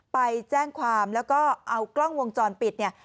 ไปแจ้งความแล้วก็เอากล้องวงจรปิดเนี่ย